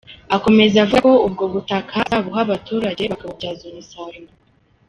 Akomeza avuga ko ubwo butaka azabuha abaturage bakabubyaza umusaruro.